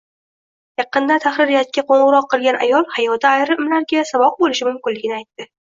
Yaqinda tahririyatga qo`ng`iroq qilgan ayol, hayoti ayrimlarga saboq bo`lishi mumkinligini aytdi